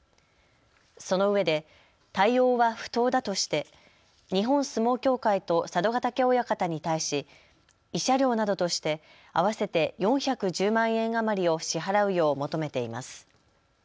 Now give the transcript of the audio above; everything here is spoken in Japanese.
そのうえで対応は不当だとして日本相撲協会と佐渡ヶ嶽親方に対し慰謝料などとして合わせて４１０万円余りを支払うよう求めています。